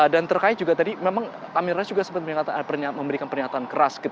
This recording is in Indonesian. dan terkait juga tadi memang amin rais juga sempat memberikan pernyataan keras